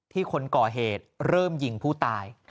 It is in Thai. คนก่อเหตุเริ่มยิงผู้ตาย